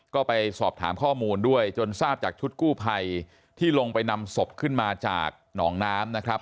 ก็ไปสอบถามข้อมูลด้วยจนทราบจากชุดกู้ภัยที่ลงไปนำศพขึ้นมาจากหนองน้ำนะครับ